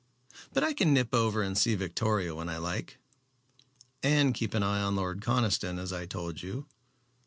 But I can nip over and see Victoria when I like." "And keep an eye on Lord Conniston as I told you."